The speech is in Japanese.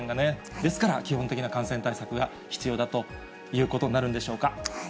ですから基本的な感染対策が必要だということになるんでしょうか。